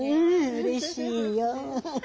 うれしいよ。